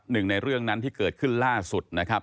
หนึ่งในเรื่องนั้นที่เกิดขึ้นล่าสุดนะครับ